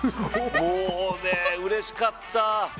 もう、うれしかった。